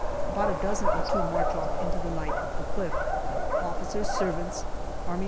About a dozen or two march off into the night up the cliff officers' servants, A.S.